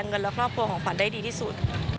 เงินและครอบครัวของขวัญได้ดีที่สุด